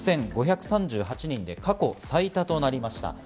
１万６５３８人で過去最多となりました。